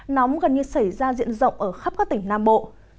nóng gần như xảy ra diện rộng ở khắp các tỉnh nam bộ